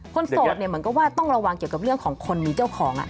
โสดเนี่ยเหมือนกับว่าต้องระวังเกี่ยวกับเรื่องของคนมีเจ้าของ